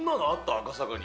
赤坂に。